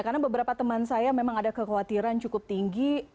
karena beberapa teman saya memang ada kekhawatiran cukup tinggi